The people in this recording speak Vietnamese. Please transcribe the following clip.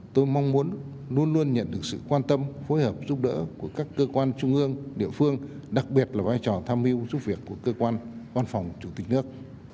tôi mong muốn luôn luôn nhận được sự quan tâm phối hợp giúp đỡ của các cơ quan trung ương địa phương đặc biệt là vai trò tham mưu giúp việc của cơ quan văn phòng chủ tịch nước